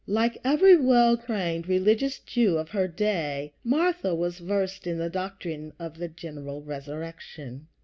Like every well trained religious Jew of her day, Martha was versed in the doctrine of the general resurrection.